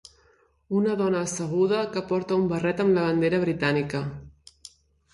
Una dona asseguda que porta un barret amb la bandera britànica.